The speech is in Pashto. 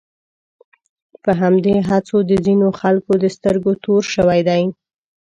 په همدې هڅو د ځینو خلکو د سترګو تور شوی دی.